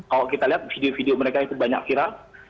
kalau kita lihat video video mereka itu banyak viral